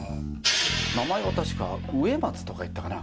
名前は確か上松とか言ったかな。